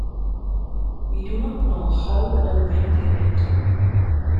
We do not know how or when they met.